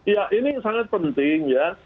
ya ini sangat penting ya